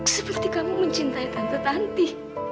seperti kamu mencintai tante tanti